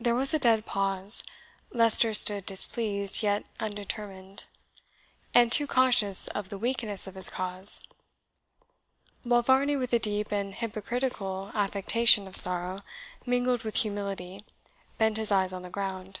There was a dead pause. Leicester stood displeased, yet undetermined, and too conscious of the weakness of his cause; while Varney, with a deep and hypocritical affectation of sorrow, mingled with humility, bent his eyes on the ground.